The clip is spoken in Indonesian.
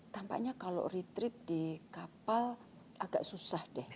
tampaknya kalau retreat di kapal agak susah deh